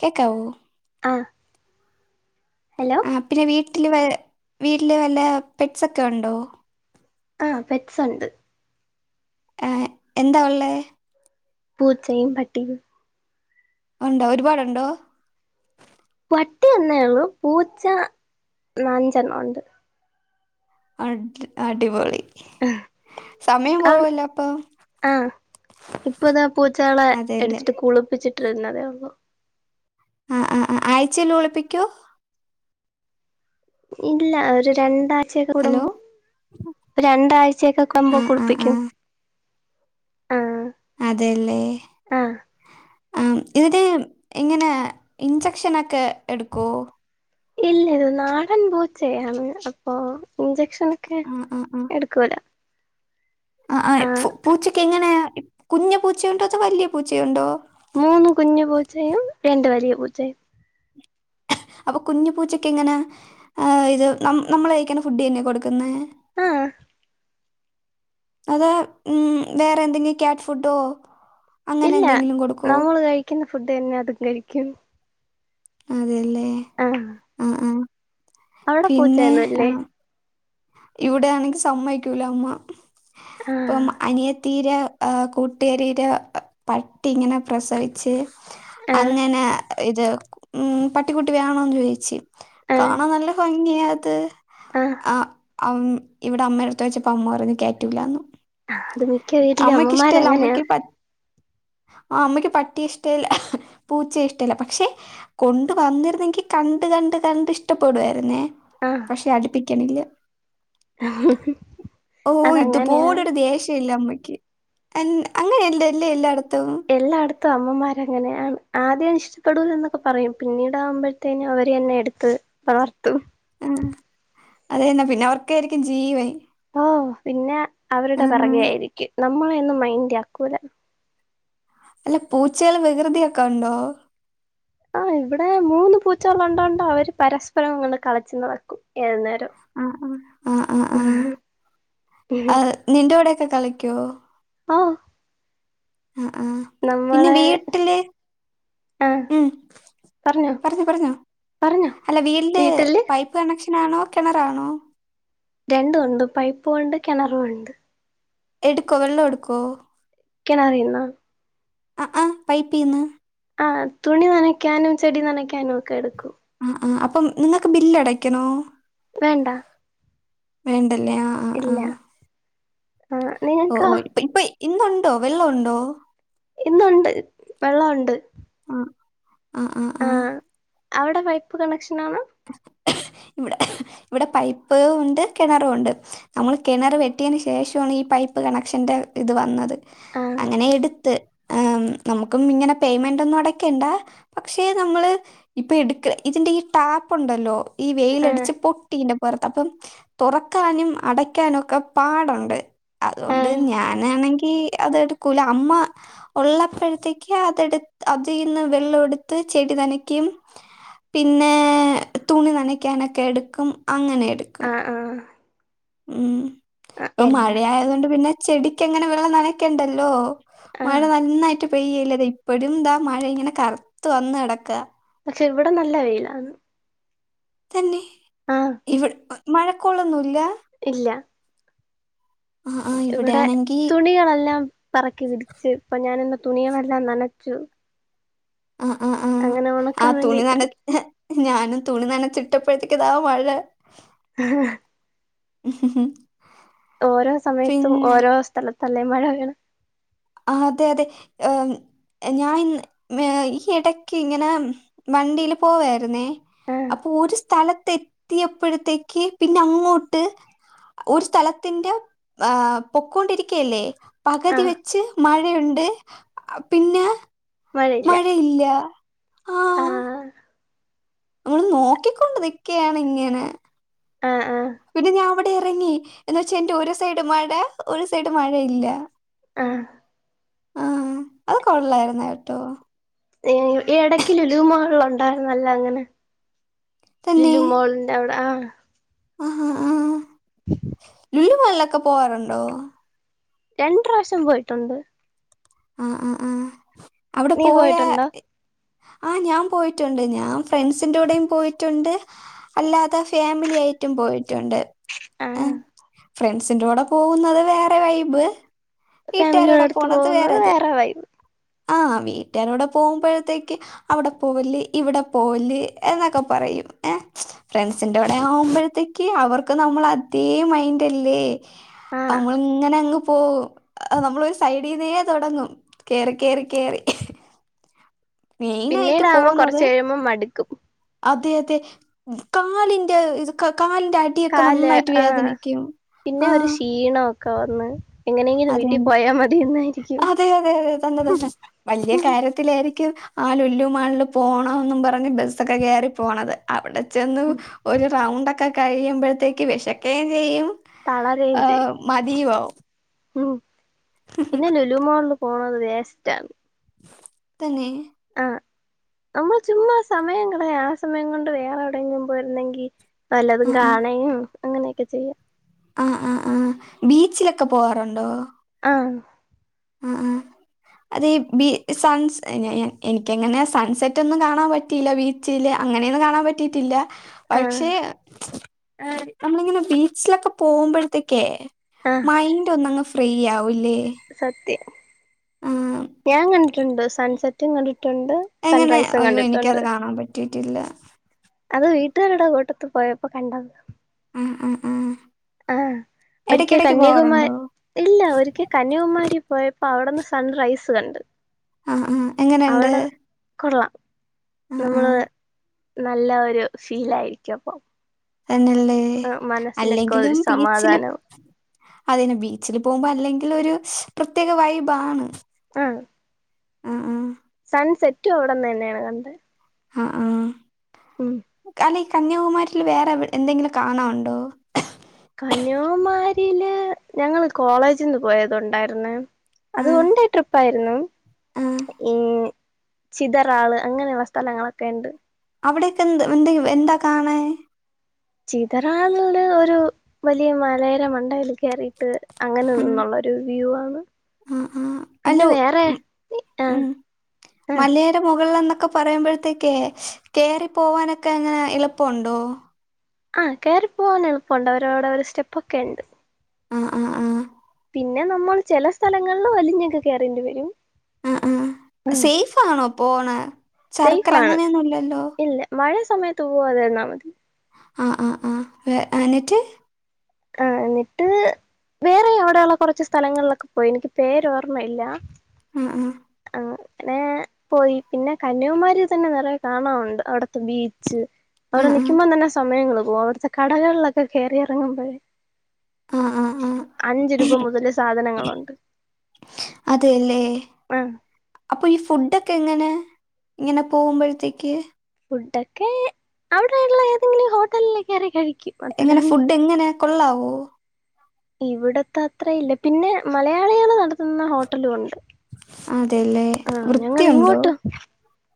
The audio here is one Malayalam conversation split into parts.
കേക്കാവോ? ആഹ് ഹലോ ആ പിന്നെ വീട്ടിൽ വ വീട്ടില് വല്ല പെറ്റ്സൊക്കെ ഉണ്ടോ ആഹ് പെറ്റ്സ് ഉണ്ട്. ഏ എന്താ ഉള്ളത് പൂച്ചയും പട്ടിയും ഉണ്ടോ ഒരുപാടുണ്ടോ പട്ടി ഒന്നേ ഒള്ളു പൂച്ച ന അഞ്ചെണ്ണേ ഉണ്ട് ആഹ് അടിപൊളി സമയം പോവല്ലോ അപ്പൊ ഇപ്പൊതാ പൂച്ചാളെ അതെല്ലേ എടുത്തിട്ട് കുളിപ്പിച്ചിട്ടിരുന്നതേ ഉള്ളൂ ആഹ് ആഹ് ആഴ്ചെല് കുളിപ്പിക്കോ ഇല്ല ഒരു രണ്ടാഴ്ച്ചയൊക്കെ ഹലോ കുടുമ്പോ രണ്ടാഴ്ചയൊക്കെ ആ ആകുമ്പോള് ആ ആ കുളിപ്പിക്കും ആ അതേല്ലേ ആ ആഹ് ഇതിന് ഇങ്ങനെ ഇൻഞ്ചെക്ഷ നൊക്കെ എടുക്കോ? ഇല്ല ഇത് നാടൻ പൂച്ചയ്യാണ് അപ്പോ ഇഞ്ചക്ഷൻ ഒക്കെ ആ ആ ആ എടുക്കൂല ആ പൂച്ചക്കിങ്ങനെ കുഞ്ഞു പൂച്ച ഉണ്ടോ അതോ വലിയ പൂച്ച ഉണ്ടോ? മൂന്ന് കുഞ്ഞു പൂച്ചയും രണ്ട് വലിയ പൂച്ചയും. അപ്പൊ കുഞ്ഞു പൂച്ചക്കിങ്ങനെ ഇത് നമ്മ നമ്മള് കഴിക്ക്ണെ ഫുഡ് തന്നെയാണോ കൊടുക്കുന്നേ? ആഹ് അതോ വേറെ എന്തെങ്കിലും ക്യാറ്റ് ഫുഡോ. അങ്ങനെ ഇല്ല എന്തെങ്കിലും കൊടുക്കോ? നമ്മൾ കഴിക്കുന്ന ഫുഡ് തന്നെ അതും കഴിക്കും. അതേല്ലേ ആഹ് ആ ആഹ് പിന്നെ ആ പൂച്ചയൊന്നുല്ലേ ഇവിടെയാണെങ്കി സമ്മതിക്കൂല അമ്മ ആഹ് ഇപ്പം അനിയത്തീരെ കൂട്ടുകാരിയുടെ പട്ടി ഇങ്ങനെ പ്രസവിച്ച് ആഹ് അങ്ങനാ ഇത് ഉം പട്ടിക്കുട്ടി വേണോന്ന് ചോദിച്ച് ആഹ് കാണാൻ നല്ല ഭംഗിയാ അത്. ആഹ് ആ ഇവിടെ അമ്മേന്റെടുത്ത് ചോദിച്ചപ്പോ അമ്മ പറഞ്ഞ് കേറ്റൂല്ലാന്ന് അത് മിക്ക വീട്ടിലും അമ്മയ്ക്ക് ഇഷ്ട്ടല്ല അമ്മമാരങ്ങനെയാണ് അമ്മയ്ക്ക് പറ്റ് ആ അമ്മയ്ക്ക് പട്ടി ഇഷ്ടല്ല പൂച്ചയെ ഇഷ്ടല്ല പക്ഷെ കൊണ്ട് വന്നിരുന്നെങ്കി കണ്ട് കണ്ട് കണ്ട് ഇഷ്ടപ്പെടുവായിരുന്നേ. പക്ഷെ അടുപ്പിക്കെണില്ല. ആ ഓ ഇതുപോലൊരു ദേഷ്യ ഇല്ല അമ്മയ്ക്ക് അങ്ങനെയല്ലെല്ലേ എല്ലായിടത്തും എല്ലായിടത്തും അമ്മമാരങ്ങനെയാണ് ആദ്യം ഇഷ്ട മെച്ചപ്പെടുൂലാ എന്നൊക്കെ പറയും പിന്നീടാകുമ്പഴ്ത്തേനും അവര് എന്നെ എടുത്ത് തളർത്തും. ആഹ്, അത് തന്നെ പിന്നെ അവർക്ക് ആയിരിക്കും ജീവൻ ഓഹ്, പിന്നെ ആ, അവരുടെ പെറകെ ആയിരിക്കും. നമ്മളെ ഒന്നും മൈൻ്റി ആക്കൂല. അല്ല പൂച്ചകള് വികൃതിയൊക്കെ ഉണ്ടോ? ആഹ്, ഇവിടെ മൂന്ന് പൂച്ചകളൊണ്ടോണ്ട് അവര് പരസ്പരം അങ്ങട്ട് കളച്ച് നടക്കും ഏത് നേരവും. ആഹ്, ആഹ്, ആഹ്, ആഹ്, ആഹ്, ആഹ് നിന്റെ കൂടെയൊക്കെ കളിക്കോ? ആഹ്. ആഹ്, ആഹ് പിന്നെ നമ്മളെ വീട്ടില് ആഹ് ഉം, പറഞ്ഞോ പറഞ്ഞോ പറഞ്ഞോ അല്ല വീടിന്റെ വീട്ടില് പൈ പ്പ് കണക്ഷനാണോ കെണറാണോ? രണ്ടും ഉണ്ട്. പൈപ്പും ഉണ്ട് കെണറും ഉണ്ട്. എട്ക്കോ വെള്ളൊ എടുക്കോ? കെണറീന്നാ അഅ പൈപ്പീന്ന്. ആഹ്, തുണി നനയ്ക്കാനും, ചെടി നനയ്ക്കാനും ഒക്കെ എട്ക്കും. ആഹ്, ആഹ് അപ്പം നിങ്ങക്ക് ബില്ലടയ്ക്കണോ? വേണ്ട വേണ്ടല്ലേ, ആഹ് ഇല്ല ആഹ്, [unintelligible] ഓഹ്, ഓയ് ഇപ്പ ഇപ്പയ് ഇന്നുണ്ടോ വെള്ളം ഉണ്ടോ? ഇന്നുണ്ട്, വെള്ളം ഉണ്ട്. ആഹ്, ആഹ്, ആഹ്, ആഹ് അവടെ പൈപ്പ് കണക്ഷൻ ആണോ? ഇവിടെ ഇവിടെ പൈപ്പ് ഉണ്ട്, കിണറും ഉണ്ട്. നമ്മള് കിണറ് വെട്ടിയന് ശേഷൊവാണ് ഈ പൈപ്പ് കണക്ഷന്റെ ഇത് വന്നത്. ആ അങ്ങനെ ഇട്ത്ത്. ആഹ്, നമുക്കും ഇങ്ങനെ പേയ്മെൻ്റൊന്നും അടയ്ക്കണ്ട. പക്ഷെ നമ്മള് ഇപ്പൊ എട്ക്ക്ണ ഇജിന്റെ ഈ ടാപ്പുണ്ടല്ലോ ഈ ആ വെയിലടിച്ച് പൊട്ടിന്റെ വർത്തപ്പം തൊറക്കാനും അടയ്ക്കാനൊക്കെ പാടൊണ്ട്. ആ അതോണ്ട് ഞാനാണെങ്കി അത് എടുക്കൂല. അമ്മ ഉള്ളപ്പഴത്തേയ്ക്ക് അതെട് അതീന്ന് വെള്ളൊവെടുത്ത് ചെടി നനയ്ക്കയും പിന്നേ തുണി നനയ്ക്കാനൊക്കെ എട്ക്കും. അങ്ങനെ എട്ക്കും അഹ്, ആഹ് മ്, ഇപ്പം എല്ലാ മഴയായത് കൊണ്ട് പിന്നെ ചെടിക്കങ്ങനെ വെള്ളം നനയ്ക്കണ്ടല്ലോ. ആ മഴ നന്നായിട്ട് പെയ്യല്ലേ, താ ഇപ്പഴും താ മഴ ഇങ്ങനെ കറുത്ത് വന്ന് കെടക്കാ പക്ഷെ, ഇവടെ നല്ല വെയിലാന്ന്. തന്നെ ഇവിട് മഴക്കോളൊന്നൂല്ല. ഇല്ല ആ ആ ഇവിടെ ഇവിടെയാണെങ്കി തുണികളെല്ലാം പറക്കി വിടിച്ച് ഇപ്പം ഞാനിന്ന് തുണിയളെല്ലാം നനച്ചു ആഹ്, ആഹ്, ആഹ്, അങ്ങനെ ഉണക്കാൻ ആഹ് തുണി വേണ്ടിയിട്ടിരിക്ക നനച് ഏഹ് ഞാനും തുണി നനചിട്ടപ്പോഴത്തേക്ക് ഇതാ മഴ [unintelligible] ഓരോ സമയത്തും പിന്നെ ഓരോ സ്ഥലത്തല്ലേ മഴ പെയ്ണെ. ആഹ് അതെ അതെ ഏഹ് മ് ഞാൻ ഇൻന്ന് ഈ എടെക്ക് ഇങ്ങനെ വണ്ടീല് പോവേര്ന്നേ ആ അപ്പൊ ഒരു സ്ഥലത്തെത്തിയെപ്പഴെത്തേക്ക് പിന്നെ അങ്ങോട്ട് ഒരു സ്ഥലത്തിന്റെ ഏഹ് പൊക്കോണ്ടിരികെ ല്ല്യേ പകതി ആഹ് വെച്ച് മഴയുണ്ട് പിന്നെ മഴയില്ല ആ ആഹ് നമ്മള് നോക്കിക്കൊണ്ട് നിക്ക്യേണ് ഇങ്ങനെ ആ ആഹ് പിന്നെ ഞാവടെ എറങ്ങി എന്ന് വെച്ചാ എന്റെ ഒരു സൈഡ് മഴ ഒരു സൈഡ് മഴ ഇല്ല ആഹ് ആഹ് അത് കൊള്ളായിരുന്നേട്ടോ ഈ ഏടയ്ക്ക് ലുലൂമാൾള് ഉണ്ടായിരുന്നല്ലോ അങ്ങനെ ലുലു മോൾൻ്റവടെ ആഹ് ആഹ് ആഹ് ആ ലുലൂ മാൾലൊക്കെ പോവാറുണ്ടോ രണ്ട് പ്രാവശ്യം പോയിട്ടുണ്ട് ആഹ് ആഹ് ആ അവ്ടെ നീ പോയാ പോയിട്ടുണ്ടോ ആ ഞാൻ പോയിറ്റുണ്ട് ഞാൻ ഫ്രണ്ട്സിന്റെ കൂടേം പോയിറ്റ്ണ്ട് അല്ലാതെ ഫാമിലി ഏയിറ്റും പോയിറ്റുണ്ട് ആഹ് ഏഹ് ഫ്രണ്ട്സിന്റെ കൂടെ പോവുന്നത് വേറെ വൈബ് വീട്ടുകാരുടെ ഫാമിലിയോടൊത്ത് പോവുന്നത് വേറെ വൈബ് ആഹ് വീട്ട്യാരോപ്പ പോവുമ്പഴത്തേക്ക് അവടെ പോവല്യേ ഇവിടെ പോവല്യേ എന്നൊക്കെ പറയും ഏഹ് ഫ്രണ്ട്സിന്റൂടെ ആവുമ്പഴത്തേക്ക് അവർക്ക് നമ്മളെ അതേ മൈന്റല്ലേ ആഹ് അമ്മള്ങ്ങനങ്ങ് പോവും നമ്മളൊരു സൈഡീന്നേ തൊടങ്ങും കേറ് കേറി കേറി മെയിനായിട്ട് പിന്നീടാവുമ്പം പോകുന്നത് കൊർച്ചഴിയുമ്പം മട്ക്കും അതെ അതെ കാലിന്റെ ഇത് കാലിന്റെ അട് കാല് ആഹ് പിന്നെ ആ ഒരു ക്ഷീണൊക്കെ വന്ന് എങ്ങെനെങ്കിലും വീട്ടി അതെ പോയാ മതീന്നായിരിക്ക്യും അതെ ത്തിലേയിരിക്കും ആ ലുലൂ മാളിൾ പോണോന്നും പറഞ്ഞ് ബെസ്സക്കെ കേറി പോണത് അവടെ ചെന്ന് ഒരു റൗണ്ടൊക്കെ കഴിയുമ്പോഴത്തേക്ക് വെശക്കേം ചെയ്യും തളരേം ചെയ്യും ഏഹ് മതിയുവാവും മ്മ് പിന്നെ ലുലു മോൾ പോണത് വേസ്റ്റാണ് തെന്നേ ആ ഞമ്മൾ ചുമ്മാ സമയം കളയാ ആ സമയം കൊണ്ട് വേറെ എവിടെയെങ്കിലും പോയിരുന്നെങ്കിൽ വല്ലതും ആഹ് കാണെയും അങ്ങനെയൊക്കെ ചെയ്യാം ആ ആഹ് ആ ബീച്ചിലൊക്കെ പോവാറുണ്ടോ? ആഹ് അ ആഹ് അതെ ബി സൺ എഹ് ഞാ ഞ എനിക്കങ്ങനെ സൺസെറ്റ് ഒന്നും കാണാൻ പറ്റിയില്ല ബി ചിലെ അങ്ങനെയെന്നും കാണാൻ പറ്റിയിട്ടില്ല ആഹ് പക്ഷേ നമ്മളിങ്ങനെ ബീച്ചിലൊക്കെ പോവുമ്പോഴെത്തേക്കെ ആഹ് മൈൻഡൊന്നങ്ങ് ഫ്രീ ആവൂല്ലേ? സത്യം, ആഹ് ഞാൻ കണ്ടിട്ടുണ്ട് സൺസെറ്റും കണ്ടിട്ടുണ്ട് എങ്ങനെ? സൺറൈസും അയ്യോ കണ്ടിട്ടുണ്ട് എനിക്കത് കാണാൻ പറ്റിട്ടില്ല. അത് വീട്ടുലുള്ളോരേ കൂട്ടത്ത് പോയപ്പോ കണ്ടത. ഉം ഉം ഉം ആഹ് ഒരിക്ക കന്യാകുമാ പോവാറുണ്ടോ ഇല്ല. ഒരിക്കൽ കന്യാകുമാരി പോയപ്പോ അവിടെന്ന് സൺ റൈസ് കണ്ട്. ആഹ് ആഹ് എങ്ങനെണ്ട്. അവിടെ കൊള്ളാം നമ്മള് നല്ല ഒരു ഫീലായിരിക്യു അപ്പൊ. തന്നല്ലേ. മനസ്സിനൊക്കെ ഒരു അല്ലെങ്കിലും ബിച്ചില് സമാധാനം അതിന് ബീച്ചിൽ പോകുമ്പോ അല്ലെങ്കിലൊരു പ്രത്യേക വൈബാണ്. ഉം ആഹ് ആഹ് സൺ സെറ്റും അവിടെന്ന് തന്നെയാണ് കണ്ട. അഹ് ആഹ് ഉം അല്ലെ ഈ കന്യാകുമാരിൽ വേറെ എന്തെങ്കിലും കാണാണ്ടോ? കന്യാകുമാരിയില് ഞങ്ങള് കോളേജിൽ ന്ന് പോയത് ണ്ടായിര്ന്ന്. ആ അത് വണ്ടേ ട്രിപ്പ്. ട്രിപ്പായിരുന്നു. ആ ഇൻ ചിതറാള് അങ്ങനെയുള്ള സ്ഥലങ്ങളൊക്കെ ണ്ട്. അവിടെക്കെ എന്ത് എന്ത എന്താ കാണാൻ. ചിതറാൾല് ഒരു വലിയ മലേടെ മണ്ടയിൽ കയറിട്ട് ആ അങ്ങനെന്നുള്ള ഒരു വ്യൂ ആണ്. ആ ആ അല്ല പിന്നെ വേറെ ഉം, ആഹ് ഉം. ആഹ് മലയുടെ മുകളിൽ എന്നൊക്കെ പറയുമ്പോഴത്തേക്ക് കേറി പോവാനൊക്കെ എങ്ങനെ എളുപ്പണ്ടോ? ആഹ്. കേറി പോവാൻ എളുപ്പണ്ട്. അവരോടെ ഒരു സ്റ്റെപ്പക്കെ ണ്ട്. ആഹ് ആഹ് ആഹ് പിന്നെ നമ്മൾ ചില സ്ഥലങ്ങൾള് വലിഞ്ഞൊക്കെ കേറേണ്ടി വരും. ആഹ് ആഹ് സെയ്ഫാണോ പോണ. സേഫ് ചർക്കൽ ആണ് അങ്ങനെന്നും ല്ല ല്ലോ? ഇല്ല മഴ സമയത്ത് പോവാതിരുന്ന മതി. ആഹ് ആഹ് ആഹ് വേ എന്നിട്ട്. ആഹ് എന്നിട്ട് വേറെ അവിടെള്ള കുറച്ച് സ്ഥലങ്ങളിലൊക്കെ പോയിനു. എനിക്ക് പേരോർമ്മയില്ല. ആഹ് ആഹ് അങ്ങനെ പോയി. പിന്നെ കന്യാകുമാരി തന്നെ നിറയെ കാണറുണ്ട്. അവിടുത്തെ ബീച്ച്. അവടെ ആഹ് ആഹ് നിക്കുമ്പോ തന്നെ സമയങ്ങൾ പോവും. അവിടുത്തെ കടകളിലൊക്കെ കയറി ഇറങ്ങുമ്പോഴേ. ആഹ് ആഹ് ആഹ് അഞ്ചു രൂപ മുതല് സാധനങ്ങളുണ്ട്. അതെ ല്ലേ. ആഹ് അപ്പൊ ഈ ഫുഡ്ഡ ഫുഡ്ഡക്കെ എങ്ങനെ? ഇങ്ങനെ പോകുമ്പോഴത്തേക്ക്. ഫുഡൊക്കെ അവിടെള്ള ഏതെങ്കിലും ഹോട്ടലിൽ കയറി കഴിക്കും. എങ്ങനെ അത്രന്നെ ഫുഡ് എങ്ങനെ കൊള്ളാവോ? ഇവിടത്തെ അത്രയില്ല. പിന്നെ മലയാളികള് നടത്തുന്ന ഹോട്ടലുണ്ട്. അതെല്ലേ. വൃത്തിയുണ്ടോ? ഇങ്ങോട്ട്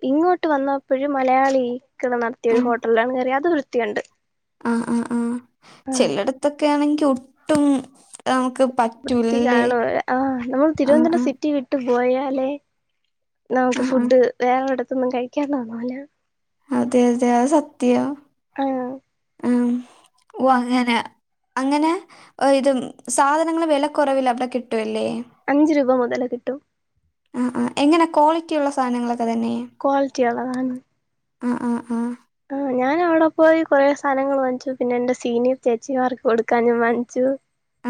ഇങ്ങോട്ട് വന്നപ്പോഴും മലയാളികൾ നടത്തിയ ഒരു ആഹ് ഹോട്ടലിലാണ് കയറിയ. അത് വൃത്തിയുണ്ട്. ആഹ് ആഹ് ആഹ് ചെലടത്തൊക്കെ ആണെങ്കി ഒട്ടും നമുക്ക് വൃത്തി പറ്റൂലല്ലേ കാണുവ ആഹ് നമ്മൾ ആഹ് തിരുവനന്തപുരം ആഹ് സിറ്റി വിട്ട് പോയാലേ. നമുക്ക് ആഹ് ആഹ് ഫുഡ് വേറെടത്തൊന്നും കഴിക്കാ തോന്നൂല. അതെ അതെ അഹ് സത്യ. ആഹ് ഉം ഓ അങ്ങനേ അങ്ങനേ ഇത് സാധനങ്ങള് വെലക്കുറവിൽ അവ്ടെ കിട്ടുവല്ലേ അഞ്ച് രൂപാ മുതല് കിട്ടും ആ ആ എങ്ങനെ ക്വാളിറ്റി ഉള്ള സാനങ്ങളൊക്കെ തന്നെയേ കോൾറ്റിയുള്ളതാണ് ആഹ് ആഹ് ആഹ് ആ ഞാൻ അവ്ടെ പോയി കൊറേ സാനങ്ങൾ വാങ്ങിച്ചു പിന്നെ എന്റെ സീനിയർ ചേച്ചിമാർക്ക് കൊടുക്കാനും വാങ്ങിച്ചു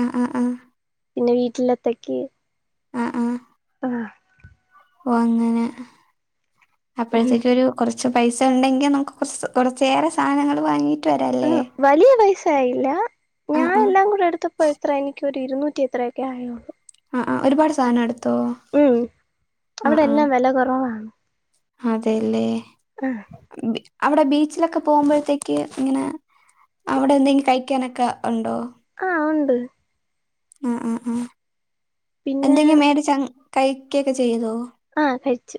ആഹ് ആഹ് ആഹ് പിന്നെ വീട്ട്ലത്തേയ്ക്ക് ആഹ് ആഹ് ആഹ് ഓ അങ്ങനേ അപ്പഴത്തേക്കൊരു കൊറച്ച് പൈസ ഉണ്ടെങ്കിൽ നമുക്ക് കൊർച്ച് കൊറച്ചേറെ സാനങ്ങൾ വാങ്ങി [unintelligible] വലിയ പൈസയായില്ല ആ ഞാൻ ആ എല്ലാം കൂടെ എടുത്തപ് അപ്പൊ എത്രേ എനിയ്ക്ക് ഒരു ഇരുന്നൂറ്റി എത്രയൊക്കെ ആയൊള്ളൂ ആ ആ ഒരുപാട് സാനം എടുത്തോ ഉം അവ്ടെ എല്ലാം വെല കൊറവാണ് അതേല്ലേ ആഹ് ബി അവ്ടെ ബീച്ച്ലൊക്കെ പോകുമ്പഴത്തേക്ക് ഇങ്ങനെ അവ്ടെ എന്തെങ്കി കഴിക്കാനൊക്കെ ഉണ്ടോ ആ ആ ണ്ട് ആ ആ ആ പിന്നെ എന്തെങ്കി മേടിച്ചങ്ങ് കഴിക്കെക്കെ ചെയ്തോ ആ കഴിച്ചു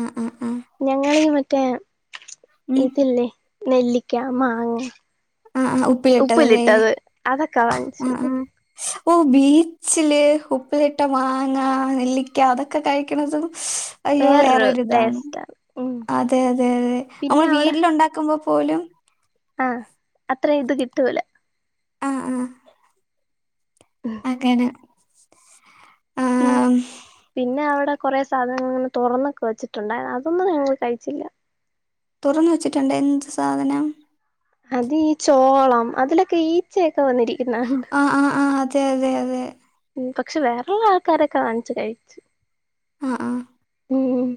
ആ ആ ആ ഞങ്ങള് ഇവട്ത്തേ ഉം ഇതില്ലേ നെല്ലിയ്ക്കാ മാങ്ങ ആഹ് ആഹ് ഉപ്പിലിട്ടതല്ലേ ഉപ്പിലിട്ടത് അതൊക്കെ വാങ്ങിച്ചു ആഹ് ആഹ് ഓ ബീച്ച്ല് ഉപ്പിലിട്ട മാങ്ങാ നെല്ലിയ്ക്കാ അതൊക്കെ കഴിക്ക്ണത് അയ്യോ വേറൊരു വേറൊര്താണ് ടേസ്റ്റാണ് ഉം അതെ അതെ അതെ പിന്നെ അമ്മള് വീട്ട്ല് ഉണ്ടാക്കുമ്പൊ പോലും ആ അത്രയും ഇത് കിട്ടൂല ആഹ് ആഹ് അങ്ങനെ പിൻ ആഹ് പിന്നെ അവ്ടെ കൊറേ സാധനങ്ങള് ഇങ്ങനെ തുറന്നൊക്കെ വെച്ചിട്ടുണ്ടേ അതൊന്നും ഞങ്ങള് കഴിച്ചില്ല തുറന്ന് വെച്ചിട്ടുണ്ട് എന്ത് സാധനം അത് ഈ ചോളം അതിലൊക്കെ ഈച്ചയൊക്കെ വന്നിരി ആഹ് ആഹ് ആഹ് അതെ അതെ അതെ ഉം പക്ഷെ വേറള്ള ആൾക്കാരൊക്കെ വാങ്ങിച്ച് കഴിച്ച് ആഹ് ആഹ് ഉം ഉം